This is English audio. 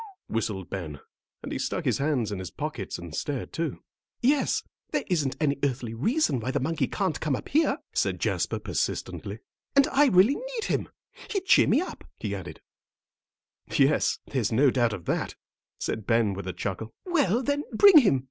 "Whew!" whistled Ben, and he stuck his hands in his pockets and stared too. "Yes, there isn't any earthly reason why the monkey couldn't come up here," said Jasper, persistently, "and I really need him. He'd cheer me up," he added. "Yes, there's no doubt of that," said Ben, with a chuckle. "Well, then bring him.